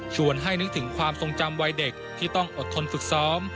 ให้นึกถึงความทรงจำวัยเด็กที่ต้องอดทนฝึกซ้อม